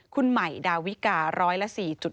คุณใหม่ดาวิการ้อยละ๔๗